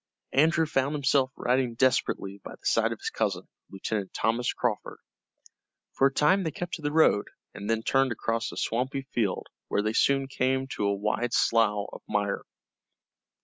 Andrew found himself riding desperately by the side of his cousin, Lieutenant Thomas Crawford. For a time they kept to the road, and then turned across a swampy field, where they soon came to a wide slough of mire.